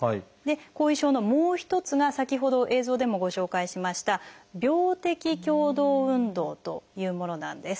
後遺症のもう一つが先ほど映像でもご紹介しました「病的共同運動」というものなんです。